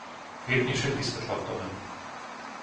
Vypni všetky svetlá v dome.